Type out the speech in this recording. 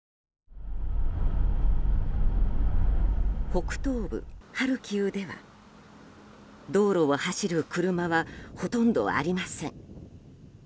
北東部ハルキウでは道路を走る車はほとんどありません。